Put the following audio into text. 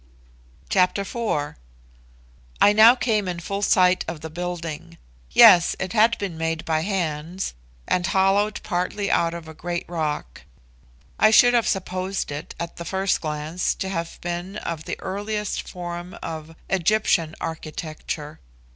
Chapter IV. I now came in full sight of the building. Yes, it had been made by hands, and hollowed partly out of a great rock. I should have supposed it at the first glance to have been of the earliest form of Egyptian architecture.